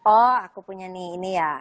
oh aku punya nih ini ya